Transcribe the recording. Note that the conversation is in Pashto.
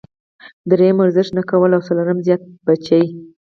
دريم ورزش نۀ کول او څلورم زيات بچي -